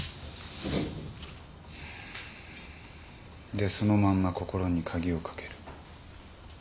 でそのまんま心に鍵をかける。